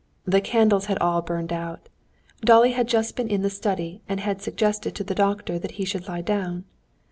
The candles had all burned out. Dolly had just been in the study and had suggested to the doctor that he should lie down.